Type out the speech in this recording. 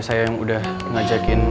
saya yang udah ngajakin